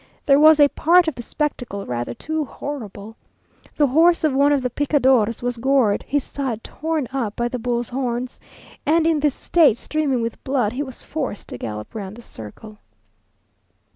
There was a part of the spectacle rather too horrible. The horse of one of the picadors was gored, his side torn up by the bull's horns, and in this state, streaming with blood, he was forced to gallop round the circle.